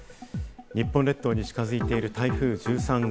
日本列島に近づいている台風１３号。